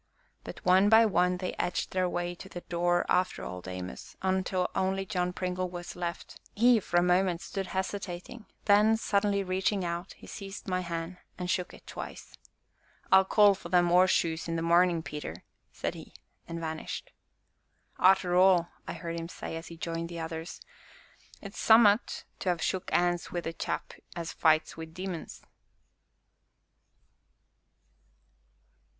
But, one by one, they edged their way to the door after Old Amos, until only John Pringle was left; he, for a moment, stood hesitating, then, suddenly reaching out, he seized my hand, and shook it twice. "I'll call for they 'orseshoes in the marnin', Peter," said he, and vanished. "Arter all," I heard him say, as he joined the others, "'tis summat to ha' shook 'ands wi' a chap as fights wi' demons!"